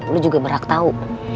lo juga merag tau